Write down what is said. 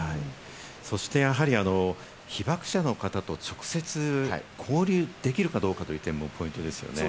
そしてやはり被爆者の方と直接交流できるかどうかという点もポイントですね。